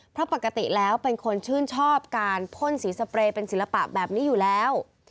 เพราะปกติแล้วเป็นคนชื่นชอบการพ่นสีสเปรย์เป็นศิลปะแบบนี้อยู่แล้ว